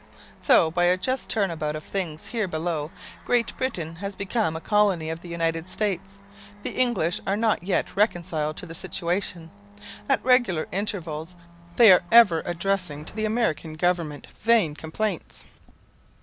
Though, by a just turn about of things here below, Great Britain has become a colony of the United States, the English are not yet reconciled to the situation. At regular intervals they are ever addressing to the American government vain complaints.